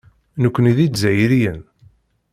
Nekkni d Izzayriyen.